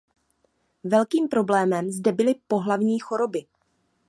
Velkým problémem zde byly pohlavní choroby.